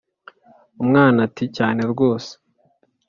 umwana ati cyane rwose.